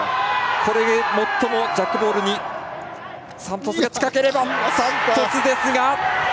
これで最もジャックボールにサントスが近ければいいですが。